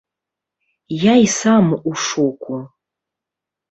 Я і сам у шоку.